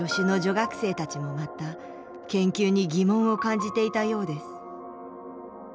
学生たちもまた研究に疑問を感じていたようです